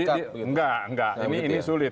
enggak enggak ini sulit